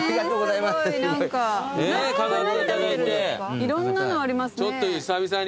いろんなのありますね。